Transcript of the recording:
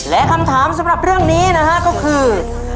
และคำถามสำหรับเรื่องนี้นะฮะก็คือ